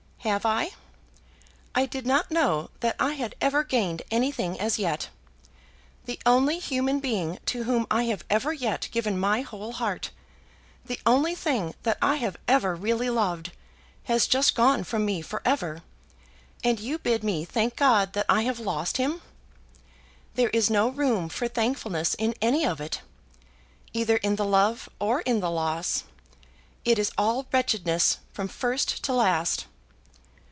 "Have I? I did not know that I had ever gained anything, as yet. The only human being to whom I have ever yet given my whole heart, the only thing that I have ever really loved, has just gone from me for ever, and you bid me thank God that I have lost him. There is no room for thankfulness in any of it; either in the love or in the loss. It is all wretchedness from first to last!"